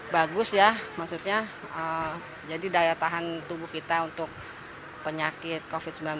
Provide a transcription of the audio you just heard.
bagus ya maksudnya jadi daya tahan tubuh kita untuk penyakit covid sembilan belas